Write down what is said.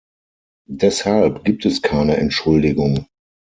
Deshalb gibt es keine Entschuldigung.